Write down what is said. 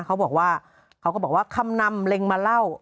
เขาบอกว่าคำนำเล็งมาเล่า